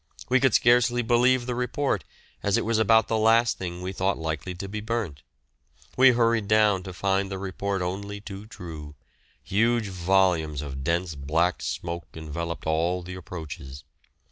We could scarcely believe the report, as it was about the last thing we thought likely to be burnt. We hurried down to find the report only too true; huge volumes of dense black smoke enveloped all the approaches.